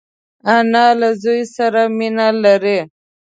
انا له زوی سره مینه لري